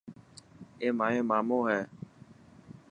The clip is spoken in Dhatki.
اي مايو مامو هي.